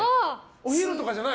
お昼とかじゃない！